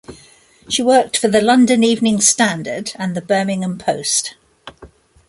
She worked for the "London Evening Standard" and the "Birmingham Post".